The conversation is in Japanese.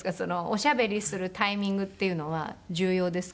おしゃべりするタイミングっていうのは重要ですか？